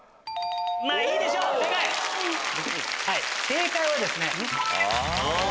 まぁいいでしょう正解！